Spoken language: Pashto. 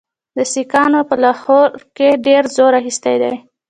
سیکهانو په لاهور کې ډېر زور اخیستی دی.